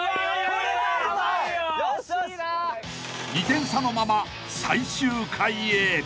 ［２点差のまま最終回へ］